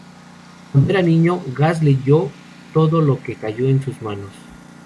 Cuando era niño, Gass leyó todo lo que cayó en sus manos.